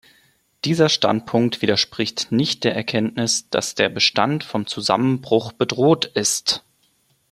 Dieser Standpunkt widerspricht nicht der Erkenntnis, dass der Bestand vom Zusammenbruch bedroht ist.